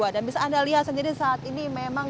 dan bisa anda lihat sendiri saat ini memang